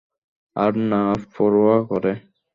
আর না পরোয়া করে।